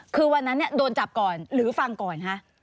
คือวันนั้นโดนจับก่อนหรือฟังก่อนคะ